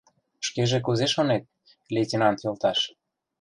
— Шкеже кузе шонет, лейтенант йолташ?